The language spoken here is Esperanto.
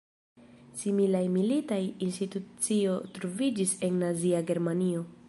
Similaj militaj institucioj troviĝis en nazia Germanio.